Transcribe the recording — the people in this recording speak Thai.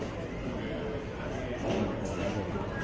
อันนี้คือ๑จานที่คุณคุณค่อยอยู่ด้านข้างข้างนั้น